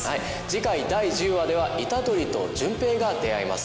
次回第１０話では虎杖と順平が出会います。